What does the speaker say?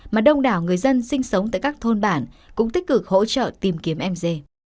mà đông đảo người dân sinh sống tại các thôn bản cũng tích cực hỗ trợ tìm kiếm mg